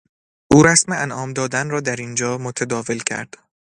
او رسم انعام دادن را در اینجا متداول کرد.